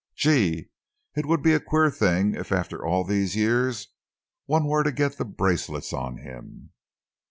Gee, it would be a queer thing if after all these years one were to get the bracelets on him!"